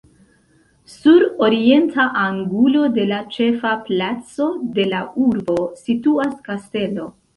Sur orienta angulo de la ĉefa placo de la urbo situas kastelo.